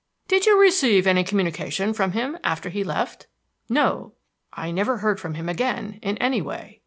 "Did you receive any communication from him after he left?" "No. I never heard from him again in any way.